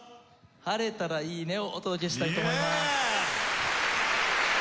『晴れたらいいね』をお届けしたいと思います。